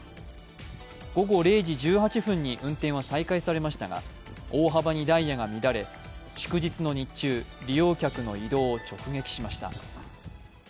午後０時１８分に運転は再開されましたが、大幅にダイヤが乱れ祝日の日中、利用客の移動を直撃しました。